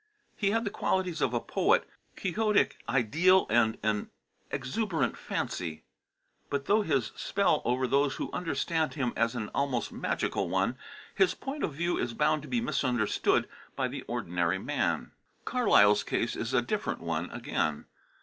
He had the qualities of a poet, a quixotic ideal, and an exuberant fancy; but though his spell over those who understand him is an almost magical one, his point of view is bound to be misunderstood by the ordinary man. Carlyle's case is a different one again.